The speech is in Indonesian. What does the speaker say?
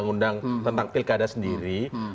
prani segera kembali